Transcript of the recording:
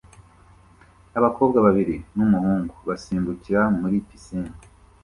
Abakobwa babiri n'umuhungu basimbukira muri pisine